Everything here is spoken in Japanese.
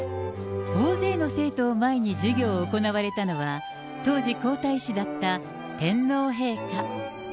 大勢の生徒を前に授業を行われたのは、当時皇太子だった天皇陛下。